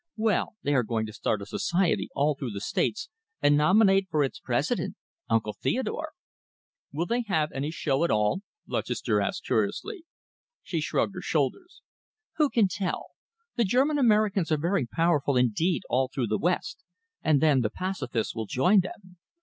Well, they are going to start a society all through the States and nominate for its president Uncle Theodore." "Will they have any show at all?" Lutchester asked curiously. She shrugged her shoulders. "Who can tell? The German Americans are very powerful indeed all through the West, and then the pacifists will join them.